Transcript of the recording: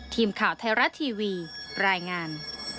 ทีมข่าวไทยรัฐทีวีรายงาน